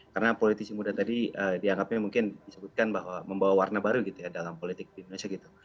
karena politisi muda tadi dianggapnya mungkin disebutkan bahwa membawa warna baru gitu ya dalam politik di indonesia gitu